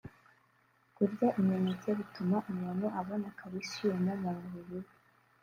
Kurya imineke bituma umuntu abona Calcium mu mubiri we